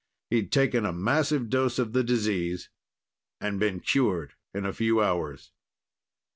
He'd taken a massive dose of the disease and been cured in a few hours.